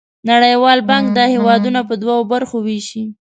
نړیوال بانک دا هېوادونه په دوه برخو ویشي.